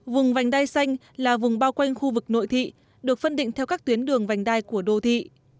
vùng vành đai xanh là vùng bao quanh khu vực nội thị được phân định theo các tuyến đường vành đai của đô thị